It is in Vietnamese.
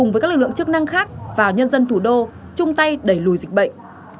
cùng với các lực lượng chức năng khác và nhân dân thủ đô chung tay đẩy lùi dịch bệnh